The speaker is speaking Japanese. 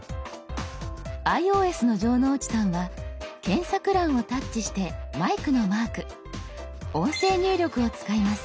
ｉＯＳの城之内さんは検索欄をタッチしてマイクのマーク音声入力を使います。